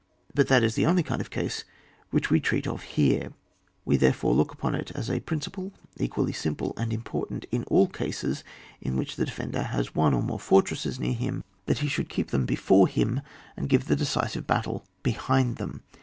But that is the only kind of case which we treat of here. We there fore look upon it as a principle equally simple and important in all cases in which the defender has one or more for tresses near him, that he should keep 190 ON WAR. [booxyi. them before him, and give the decisive battle behind them.